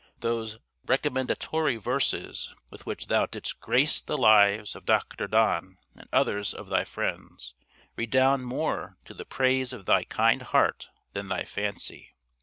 Those recommendatory verses with which thou didst grace the Lives of Dr. Donne and others of thy friends, redound more to the praise of thy kind heart than thy fancy.